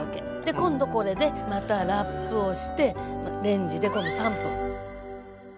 今度これでまたラップをしてレンジで今度３分。